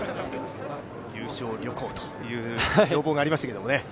優勝旅行という要望がありましたけどね。